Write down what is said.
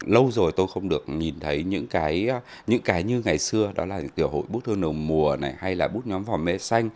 lâu rồi tôi không được nhìn thấy những cái như ngày xưa đó là kiểu hội bút thơ nồng mùa này hay là bút nhóm vòng mẽ xanh